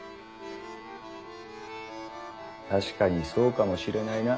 確かにそうかもしれないな。